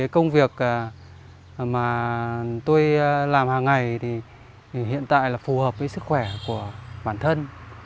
công việc mà tôi làm hàng ngày thì hiện tại là phù hợp với sức khỏe của bản thân